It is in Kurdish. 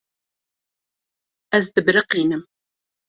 Ez dibiriqînim.